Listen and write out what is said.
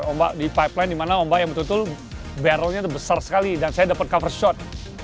ombak di pipeline dimana lomba yang betul betul barrelnya besar sekali dan saya dapat cover shot